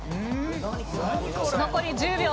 残り１０秒。